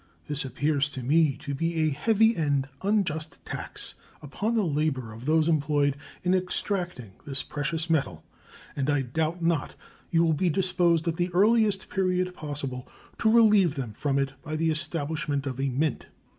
This appears to me to be a heavy and unjust tax upon the labor of those employed in extracting this precious metal, and I doubt not you will be disposed at the earliest period possible to relieve them from it by the establishment of a mint.